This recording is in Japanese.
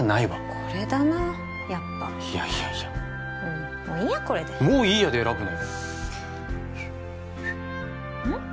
これだなやっぱいやいやいやうんもういいやこれでもういいやで選ぶなようん？